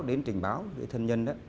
đến trình báo thân nhân